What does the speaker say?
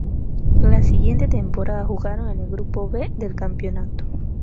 La siguiente temporada jugaron en el Grupo B del campeonato.